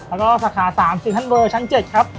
แล้วก็สาขา๓สิงธรรมเบอร์ชั้น๗ครับ